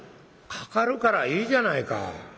「かかるからいいじゃないか」。